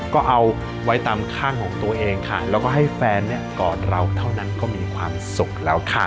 ก็เอาไว้ตามข้างของตัวเองค่ะแล้วก็ให้แฟนกอดเราเท่านั้นก็มีความสุขแล้วค่ะ